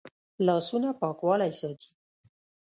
لاسونه پاکوالی ساتي